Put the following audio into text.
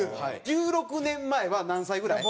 １６年前は何歳ぐらい？